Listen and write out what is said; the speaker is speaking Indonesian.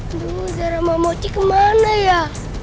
aduh sarah mammochi kemana ya